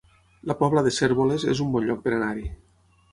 La Pobla de Cérvoles es un bon lloc per anar-hi